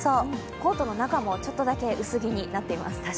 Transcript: コートの中もちょっとだけ薄着になっています。